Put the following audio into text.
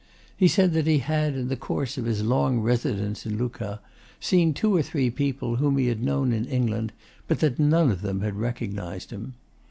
He said that he had, in the course of his long residence in Lucca, seen two or three people whom he had known in England, but that none of them had recognised him.